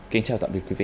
kính chào tạm biệt quý vị